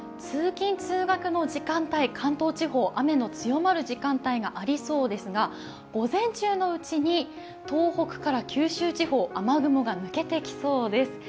通勤・通学の時間帯、関東地方、雨の強まる時間帯がありそうですが午前中のうちに東北から九州地方、雨雲が抜けてきそうです。